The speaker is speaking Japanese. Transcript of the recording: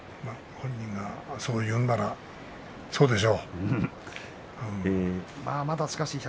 本人がそう言うならそうなんでしょう。